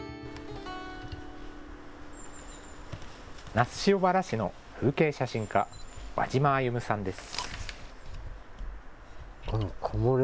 那須塩原市の風景写真家、和嶋歩さんです。